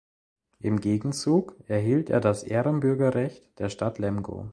Im Gegenzug erhielt er das Ehrenbürgerrecht der Stadt Lemgo.